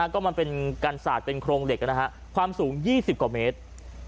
ก็มันกันสาดเป็นโครงเหล็กนะครับความสูง๒๐กว่าเมตร